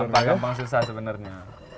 gampang gampang susah sebenarnya